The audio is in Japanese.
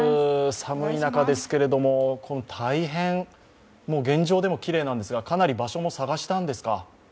寒い中ですが、大変、現状でもきれいなんですが、かなり場所も探したんですか？